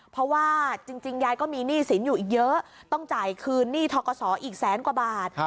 เพราะว่าจริงยายก็มีหนี้สินอยู่อีกเยอะต้องจ่ายคืนหนี้ทกศอีกแสนกว่าบาท